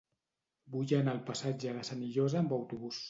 Vull anar al passatge de Senillosa amb autobús.